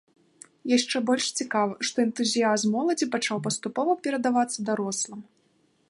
Яшчэ больш цікава, што энтузіязм моладзі пачаў паступова перадавацца дарослым.